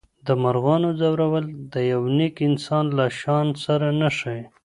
د مرغانو ځورول د یو نېک انسان له شان سره نه ښایي.